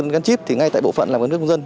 ngăn chip ngay tại bộ phận làm cước công dân